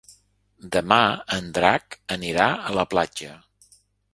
Demà en Drac anirà a la platja.